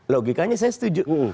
logikanya saya setuju